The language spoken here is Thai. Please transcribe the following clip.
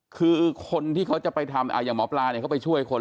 คือคนที่เขาจะไปทำอย่างหมอปลาเนี่ยเขาไปช่วยคน